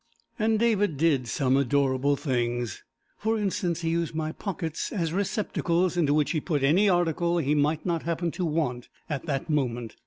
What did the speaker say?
And David did some adorable things. For instance, he used my pockets as receptacles into which he put any article he might not happen to want at the moment.